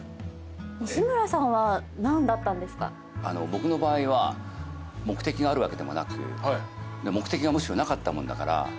僕の場合は目的があるわけでもなく目的がむしろなかったもんだから。